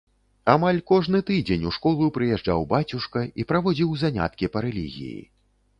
Амаль кожны тыдзень у школу прыязджаў бацюшка і праводзіў заняткі па рэлігіі.